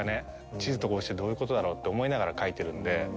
『地図と拳』ってどういうことだろう？って思いながら書いてるんで。